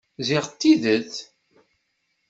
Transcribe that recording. Ziɣ d tidet.